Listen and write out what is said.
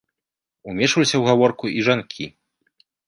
Умешваліся ў гаворку і жанкі.